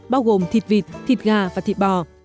bao gồm thịt vịt thịt gà và thịt bò